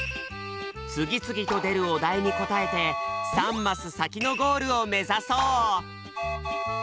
つぎつぎとでるおだいにこたえて３マス先のゴールを目指そう！